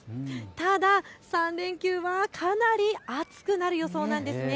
ただ３連休はかなり暑くなる予想なんですね。